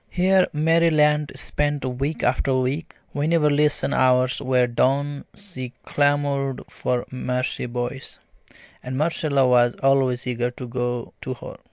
Here Mary Lant spent week after week. Whenever lesson hours were done she clamoured for Marcie Boyce, and Marcella was always eager to go to her.